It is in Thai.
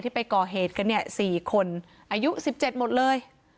ที่ไปก่อเหตุกันเนี่ยสี่คนอายุสิบเจ็ดหมดเลย